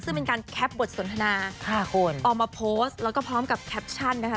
ซึ่งเป็นการแคปบทสนทนา๕คนออกมาโพสต์แล้วก็พร้อมกับแคปชั่นนะคะ